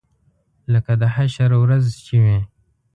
لکه د حشر ورځ چې وي.